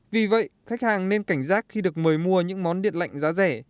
vì vậy khách hàng nên cảnh giác khi được mời mua những món điện lạnh giá rẻ